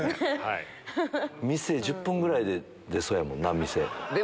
１０分ぐらいで出そうやもんな店。